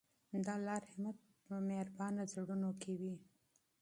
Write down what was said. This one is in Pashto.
د الله رحمت په مهربانو زړونو کې وي.